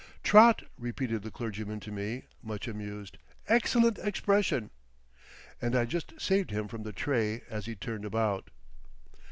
"Trot!" repeated the clergyman to me, much amused; "excellent expression!" And I just saved him from the tray as he turned about.